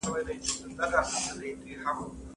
عمر تل معیار نه وي.